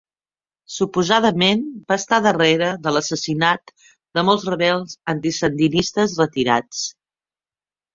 Suposadament, va estar darrere de l'assassinat de molts rebels anti-sandinistes retirats.